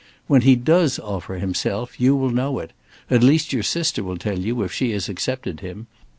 When he does offer himself you will know it; at least your sister will tell you if she has accepted him.